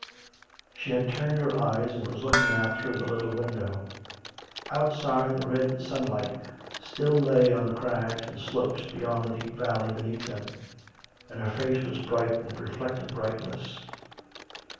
''" She had turned her eyes and was looking out through the little window. Outside the red sunlight still lay on the crags and slopes beyond the deep valley beneath them, and her face was bright in the reflected brightness.